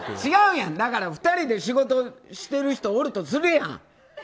だから２人で仕事してる人おるとするやん。